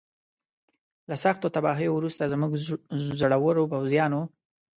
له سختو تباهیو وروسته زموږ زړورو پوځیانو.